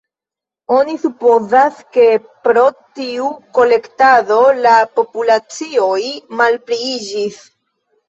Oni supozas, ke pro tiu kolektado la populacioj malpliiĝis.